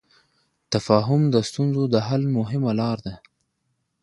تفاهم د ستونزو د حل مهمه لار ده.